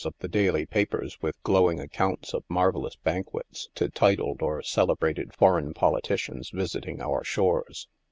of the daily papers with glowing accounts of marvellous banquets to titled or celebrated foreign politicians visiting our shores